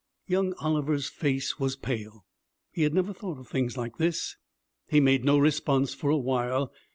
Young Oliver's face was pale. He had never thought of things like this. He made no response for a while.